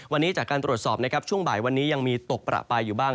วันนี้จากการตรวจสอบนะครับช่วงบ่ายวันนี้ยังมีตกประปายอยู่บ้าง